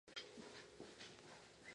Tiene su sede en Anthony.